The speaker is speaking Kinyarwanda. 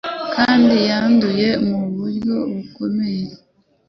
kandi yanduye mu buryo bukomeye